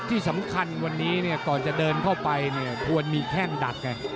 ที่สำคัญวันนี้ก่อนจะเดินเข้าไปควรมีแข้งดักไง